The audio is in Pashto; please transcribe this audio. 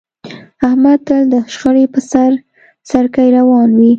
احمد تل د شخړې په سر سرکې روان وي.